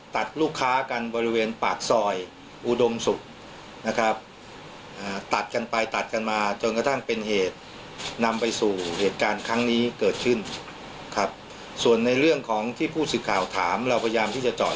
ถามเราพยายามที่จะจ่อยลึกลงไปให้ได้ครับผม